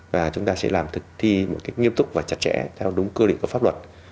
và chúng ta sẽ làm thực thi một cách nghiêm túc và chặt chẽ theo đúng quy định của pháp luật